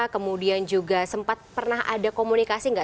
kemudian juga sempat pernah ada komunikasi nggak